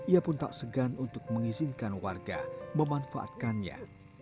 ia pun tak segan untuk mengizinkan warga memanfaatkannya